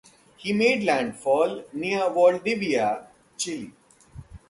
He made landfall near Valdivia, Chile.